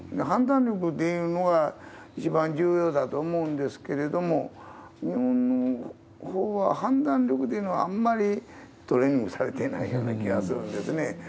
判断力っていうのが一番重要だと思うんですけれども、日本は判断力というのはあんまりトレーニングされていないような気がするんですね。